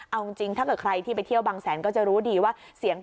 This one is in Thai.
เอาจริงถ้าเกิดใครที่ไปเที่ยวบังแสน